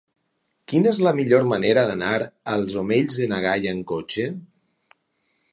Quina és la millor manera d'anar als Omells de na Gaia amb cotxe?